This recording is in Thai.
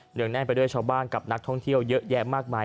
งแน่นไปด้วยชาวบ้านกับนักท่องเที่ยวเยอะแยะมากมาย